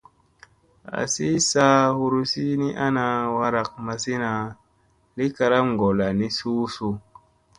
Azi saa huruzi ni ana warak mazina li karam ngolla ni suu suu.